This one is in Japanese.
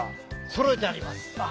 そろえてあります。